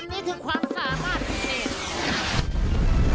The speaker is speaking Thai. อันนี้ถึงความสามารถพิเศษ